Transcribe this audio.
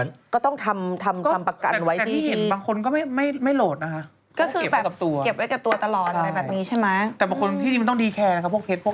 จะขนเข้าประเทศยังไงว่าเป็น๑๐ล้านบาท